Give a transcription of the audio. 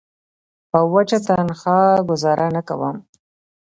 په وچه تنخوا ګوزاره نه کوم.